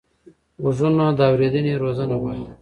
غوږونه د اورېدنې روزنه غواړي